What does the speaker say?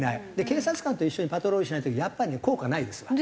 警察官と一緒にパトロールしないとやっぱりね効果ないですわ。